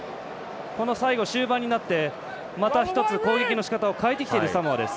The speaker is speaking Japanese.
最後、終盤になってまた一つ、攻撃のしかたを変えてきているサモアです。